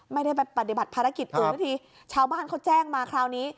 ไม่ได้ไปปฏิบัติภารกิจอื่นสักทีชาวบ้านเขาแจ้งมาคราวนี้